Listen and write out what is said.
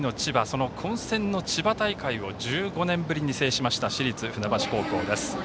その混戦の千葉大会を１５年ぶりに制しました市立船橋高校です。